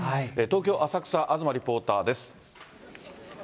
東京・浅草、東リポーターです。